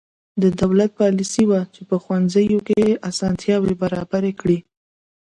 د دولت پالیسي وه چې په ښوونځیو کې اسانتیاوې برابرې کړې.